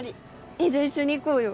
えっじゃあ一緒に行こうよ。